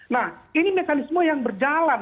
nah ini mekanisme yang berjalan